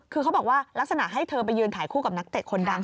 คือเขาบอกว่าลักษณะให้เธอไปยืนถ่ายคู่กับนักเตะคนดัง